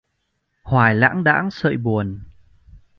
Hoài lãng đãng sợi buồn